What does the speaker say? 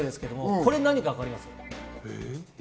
これ何かわかりますか？